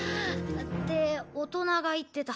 って大人が言ってた。